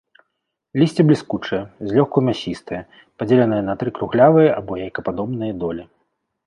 Лісце бліскучае, злёгку мясістае, падзеленае на тры круглявыя або яйкападобныя долі.